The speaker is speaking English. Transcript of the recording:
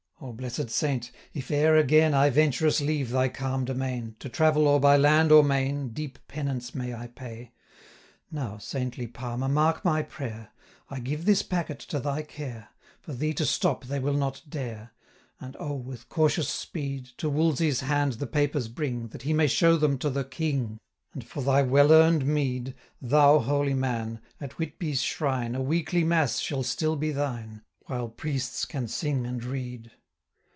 O, blessed Saint, if e'er again I venturous leave thy calm domain, To travel or by land or main, 685 Deep penance may I pay! Now, saintly Palmer, mark my prayer: I give this packet to thy care, For thee to stop they will not dare; And O! with cautious speed, 690 To Wolsey's hand the papers 'bring, That he may show them to the King: And, for thy well earn'd meed, Thou holy man, at Whitby's shrine A weekly mass shall still be thine, 695 While priests can sing and read.